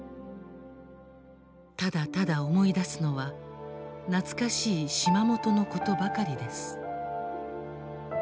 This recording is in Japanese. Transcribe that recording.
「ただただ思い出すのは懐かしい島元のことばかりです。